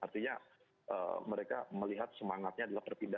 jadi artinya mereka melihat semangatnya adalah terpindah